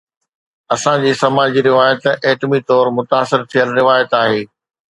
اسان جي سماجي روايت ايٽمي طور متاثر ٿيل روايت آهي.